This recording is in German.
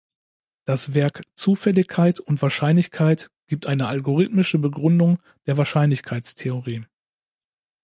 Das Werk "Zufälligkeit und Wahrscheinlichkeit" gibt eine algorithmische Begründung der Wahrscheinlichkeitstheorie.